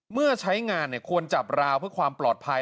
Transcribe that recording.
เมื่อใช้งานควรจับราวเพื่อความปลอดภัย